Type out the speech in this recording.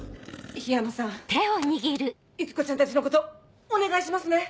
緋山さんユキコちゃんたちのことお願いしますね！